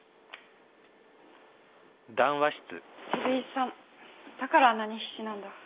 照井さんだからあんなに必死なんだ。